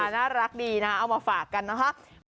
น่ารักดีนะเอามาฝากกันนะคะ